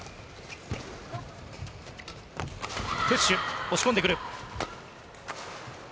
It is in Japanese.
プッシュ、押し込んでくる。